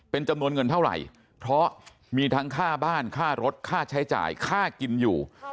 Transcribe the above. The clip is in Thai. เป็นจำนวนเงินเท่าไหร่เพราะมีทั้งค่าบ้านค่ารถค่าใช้จ่ายค่ากินอยู่